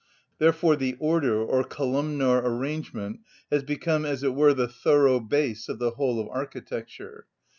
Therefore the order or columnar arrangement has become, as it were, the thorough bass of the whole of architecture.